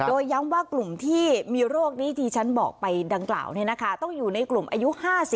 โดยย้ำว่ากลุ่มที่มีโรคนี้ที่ฉันบอกไปดังกล่าวต้องอยู่ในกลุ่มอายุ๕๐